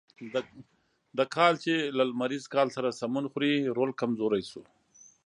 د کال چې له لمریز کال سره سمون خوري رول کمزوری شو.